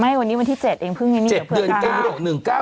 ไม่วันนี้วันที่๗เองเพิ่งให้นี่เดี๋ยวเพื่อนก้าว